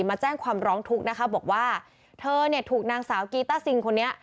มาแจ้งความร้องทุกข์นะคะบอกว่าเธอเนี่ยถูกนางสาวกีต้าซิงคนนี้